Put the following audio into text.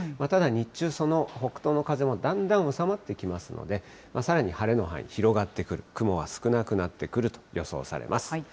ただ日中、その北東の風もだんだん収まっていきますので、さらに晴れの範囲、広がってくる、雲は少なくなってくると予想されます。